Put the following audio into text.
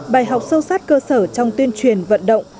bài học sâu sát cơ sở trong tuyên truyền vận động